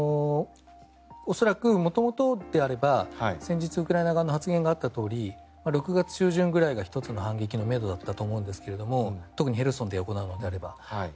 恐らく、元々であれば先日、ウクライナ側の発言があったとおり６月中旬ぐらいが１つの反撃のめどだったと思うんですが特にヘルソンで行うのであれば。